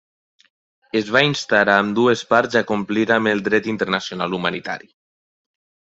Es va instar a ambdues parts a complir amb el dret internacional humanitari.